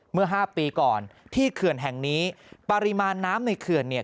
เมื่อห้าปีก่อนที่เขื่อนแห่งนี้ปริมาณน้ำในเขื่อนเนี่ย